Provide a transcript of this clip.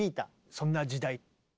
そんな時代。